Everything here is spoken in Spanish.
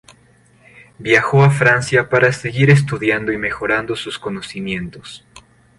Viajó a Francia para seguir estudiando y mejorando sus conocimientos.